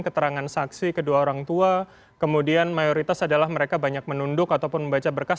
keterangan saksi kedua orang tua kemudian mayoritas adalah mereka banyak menunduk ataupun membaca berkas